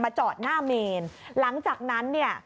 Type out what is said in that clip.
จอดหน้าเมนหลังจากนั้นเนี่ย